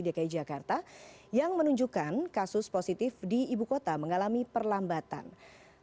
di jakarta ada beberapa kasus positif yang menunjukkan perlambatan di ibu kota